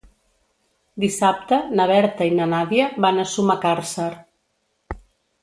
Dissabte na Berta i na Nàdia van a Sumacàrcer.